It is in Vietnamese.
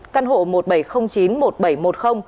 căn hộ một nghìn bảy trăm linh sáu